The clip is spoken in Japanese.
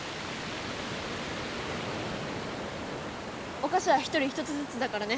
おかしは１人１つずつだからね。